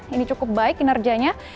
ini cukup baik kinerjanya